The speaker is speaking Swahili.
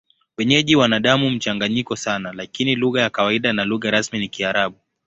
Wenyeji wana damu mchanganyiko sana, lakini lugha ya kawaida na lugha rasmi ni Kiarabu.